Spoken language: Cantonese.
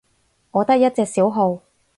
我得一隻小號